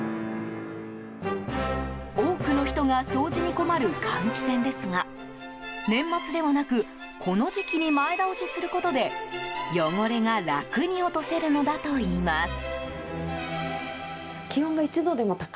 多くの人が掃除に困る換気扇ですが年末ではなくこの時期に前倒しすることで汚れが楽に落とせるのだといいます。